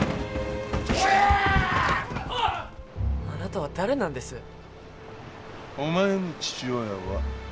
あなたは誰なんです？